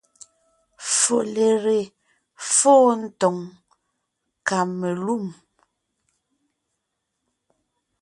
Folere fô tòŋ kamelûm,